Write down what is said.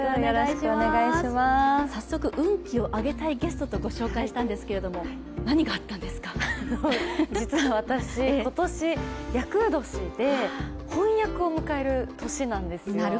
早速、運気を上げたいゲストをご紹介したんですけれども、実は私、今年厄年で本厄を迎える年なんですよ。